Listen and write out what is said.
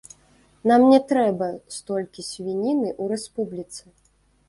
Нам не трэба столькі свініны ў рэспубліцы.